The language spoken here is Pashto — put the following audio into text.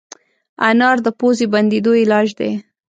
انار د پوزې بندېدو علاج دی.